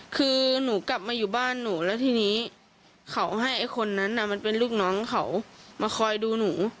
คือหนูกลับมาอยู่บ้านหนูแล้วทีนี้เขาให้ไอ้คนนั้นมันเป็นลูกน้องเขามาคอยดูหนู